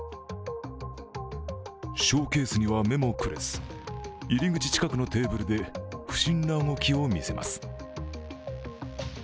ショーケースには目もくれず入り口近くのテーブルで不審な動きを見せます。